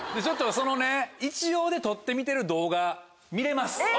ちょっとその一応で撮ってみてる動画見れます。